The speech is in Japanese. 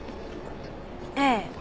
ええ。